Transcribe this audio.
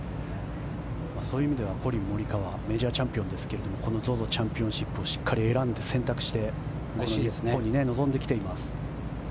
そういう意味ではコリン・モリカワはメジャーチャンピオンですがＺＯＺＯチャンピオンシップをしっかり選んで選択して臨んできています。